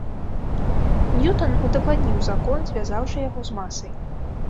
Ньютан удакладніў закон, звязаўшы яго з масай.